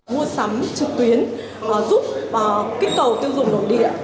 mua sắm trực tuyến giúp kích cầu tiêu dùng nội địa